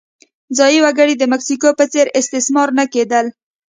ځايي وګړي د مکسیکو په څېر استثمار نه کېدل.